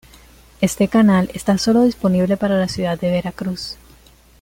Este canal solo está disponible para la Ciudad de Veracruz.